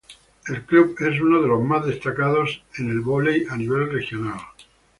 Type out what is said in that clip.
El club es uno de los más destacados en el vóley a nivel regional.